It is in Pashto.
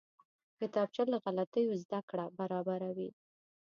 کتابچه له غلطیو زده کړه برابروي